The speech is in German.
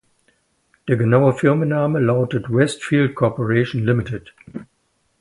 Der genaue Firmenname lautet Westfield Corporation Limited.